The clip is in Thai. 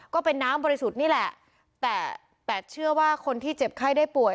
ก็เป็นน้ำบริสุทธิ์นี่แหละแต่แต่เชื่อว่าคนที่เจ็บไข้ได้ป่วย